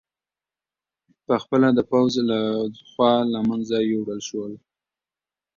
په خپله د پوځ له خوا له منځه یووړل شول